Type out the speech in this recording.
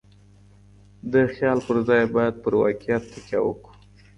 د خيال پر ځای بايد پر واقعيت تکيه وکړو.